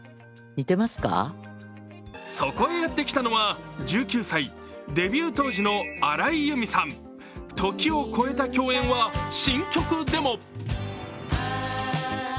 そこへやってきたのは１９歳・デビュー当時の荒井由実さん時を越えた共演は新曲でも。